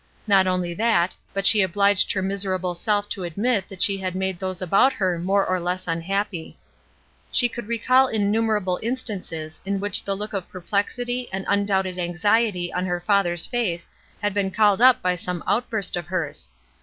Not only that, but she obhged her miserable self to admit that she had made those about her more or less unhappy. She could recall innumerable instances in which the look of perplexity and undoubted anxiety on her father's face had been SCRUPLES 93 called up by some outbxirst of hers.